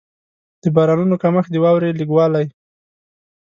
د بارانونو کمښت، د واورې لږ والی.